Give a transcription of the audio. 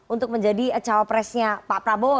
untuk menjadi cawapresnya pak prabowo